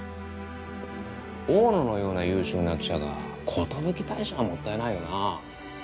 大野のような優秀な記者が寿退社はもったいないよなぁ。